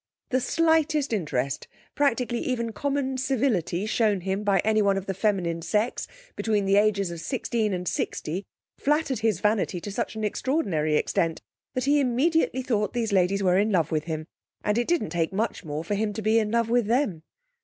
The slightest interest, practically even common civility, shown him by anyone of the feminine sex between the ages of sixteen and sixty, flattered his vanity to such an extraordinary extent that he immediately thought these ladies were in love with him, and it didn't take much more for him to be in love with them.